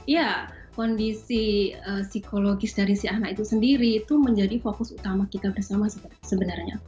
ya kondisi psikologis dari si anak itu sendiri itu menjadi fokus utama kita bersama sebenarnya